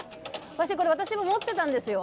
昔、これ、私も持ってたんですよ。